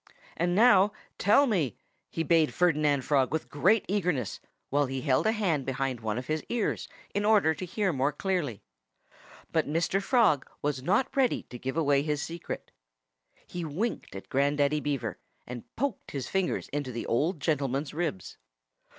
... "And now, tell me!" he bade Ferdinand Frog with great eagerness, while he held a hand behind one of his ears, in order to hear more clearly. But Mr. Frog was not ready to give away his secret. He winked at Grandaddy Beaver, and poked his fingers into the old gentleman's ribs.